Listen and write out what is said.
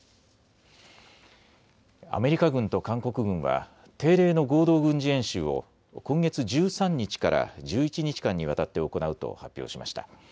アメリカ軍と韓国軍は定例の合同軍事演習を今月１３日から１１日間にわたって行うと発表しました。